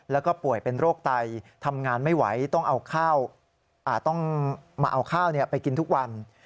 แล้วก็ป่วยเป็นโรคไตทำงานไม่ไหวต้องเอาข้าวไปกินทุกวัน